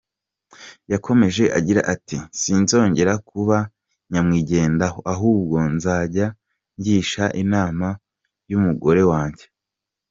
Yakomeje agira ati:"Sinzongera kuba nyamwigendaho ahubwo nzajya ngisha inama n’umugore wanjye.